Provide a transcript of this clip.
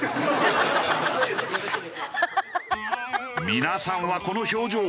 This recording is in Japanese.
皆さんはこの表情